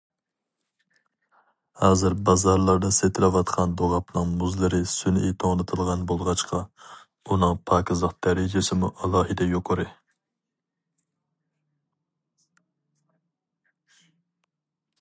ھازىر بازارلاردا سېتىلىۋاتقان دوغاپنىڭ مۇزلىرى سۈنئىي توڭلىتىلغان بولغاچقا، ئۇنىڭ پاكىزلىق دەرىجىسىمۇ ئالاھىدە يۇقىرى.